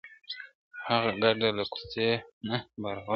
• هغه کډه له کوڅې نه باروله -